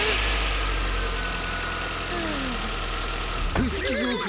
伏木蔵君！